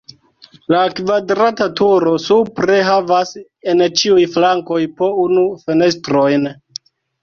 La kvadrata turo supre havas en ĉiuj flankoj po unu fenestrojn.